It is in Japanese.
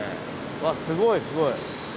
うわすごいすごい！